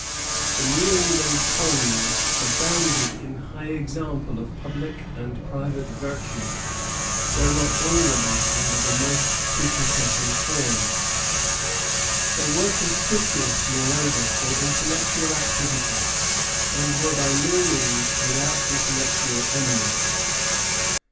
The New England colonies abounded in high examples of public and private virtue, though not always under the most prepossessing forms. They were conspicuous, moreover, for intellectual activity, and were by no means without intellectual eminence.